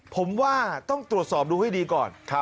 ผมว่าต้องตรวจสอบดูให้ดีก่อน